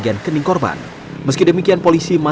hingga kini kasus ini masih diselidiki kepolisian